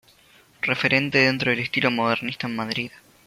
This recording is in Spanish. Referente dentro del estilo modernista en Madrid.